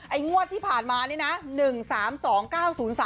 ไอ้งวดที่ผ่านมานี่นะ๑๓๒๙๐๓เนี่ย